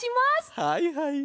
はいはい。